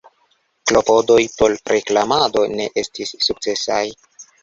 Klopodoj por reklamado ne estis sukcesaj.